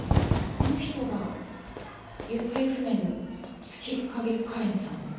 この人が行方不明の月影カレンさん？